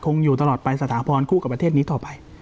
อยู่ตลอดไปสถาพรคู่กับประเทศนี้ต่อไป